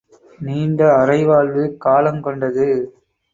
நீண்ட அரைவாழ்வுக் காலங் கொண்டது.